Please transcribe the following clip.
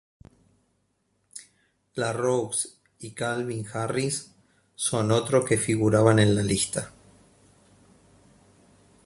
La Roux y Calvin Harris son otros que figuraban en la lista.